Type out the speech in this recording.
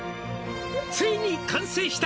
「ついに完成した」